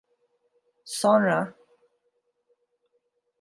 Sonra.